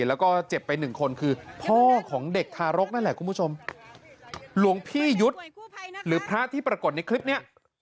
หลวงพี่ยุทธ์หรือพระที่ปรากฏในคลิปนี้